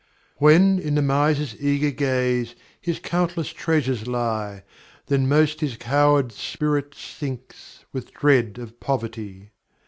When, in the miser's eager gaze, His countless treasures lie, Then most his coward spirit sinks, With dread of poverty.